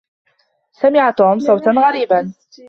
سمع توم صوتا غريبا.